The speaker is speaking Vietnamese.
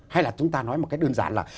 hay là chúng ta nói một cái đơn giản là